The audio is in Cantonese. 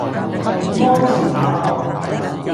鞍前馬後